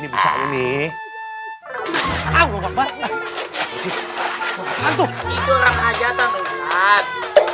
itu orang hajatan ustadz